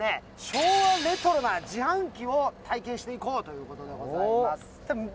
昭和レトロな自販機を体験していこうということでございます